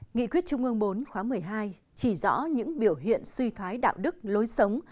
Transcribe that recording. nghị quyết trung ương bốn khóa một mươi hai chỉ rõ những biểu hiện suy thoái đạo đức lối sống